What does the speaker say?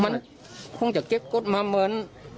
มันคงจะเก็บกฎมาเหมือน